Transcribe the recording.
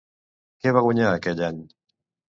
Què va guanyar aquell any?